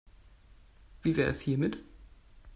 Wie wäre es hiermit?